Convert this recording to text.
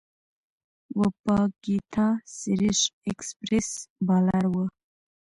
وپاګیتا سريش ایکسپریس بالر وه.